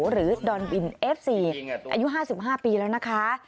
ดอนบินเอฟซีอายุ๕๕ปีแล้วนะคะ